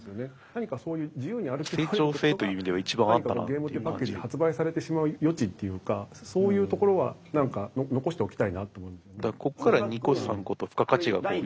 何かそういう自由に歩き回れるってことが何かこうゲームっていうパッケージで発売されてしまう余地っていうかそういうところは何か残しておきたいなと思うんですよね。